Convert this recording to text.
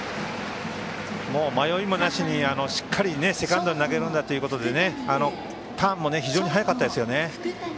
迷いなくしっかりセカンドに投げるんだということでターンも非常に速かったですよね。